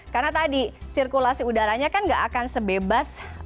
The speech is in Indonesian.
karena tadi sirkulasi udaranya kan nggak akan sebebas